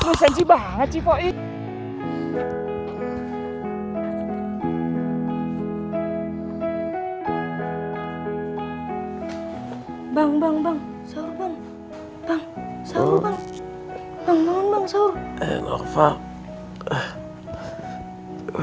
lu sanji banget cik pak i